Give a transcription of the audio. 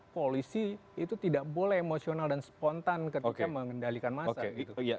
polisi itu tidak boleh emosional dan spontan ketika mengendalikan massa gitu